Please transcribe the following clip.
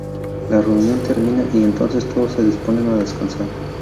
La reunión termina, y entonces todos se disponen a descansar.